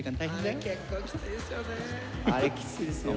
あれ結構きついですよね。